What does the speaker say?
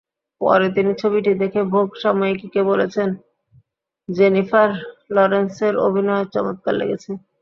পরে তিনি ছবিটি দেখে ভোগ সাময়িকীকে বলেছেন, জেনিফার লরেন্সের অভিনয় চমৎকার লেগেছে।